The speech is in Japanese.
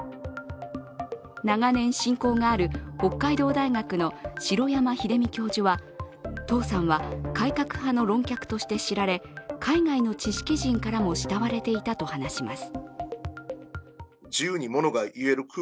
長年親交がある北海道大学の城山英巳教授は董さんは改革派の論客として知られ、海外の知識人からも慕われていたと話します。